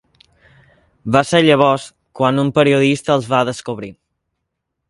Va ser llavors quan un periodista els va descobrir.